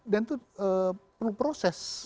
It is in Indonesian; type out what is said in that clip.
dan itu perlu proses